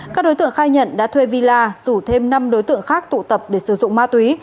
các đối tượng khai nhận đã thuê villa rủ thêm năm đối tượng khác tụ tập để sử dụng ma túy